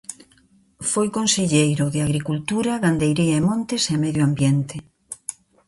Foi conselleiro de Agricultura, Gandería e Montes e Medio Ambiente.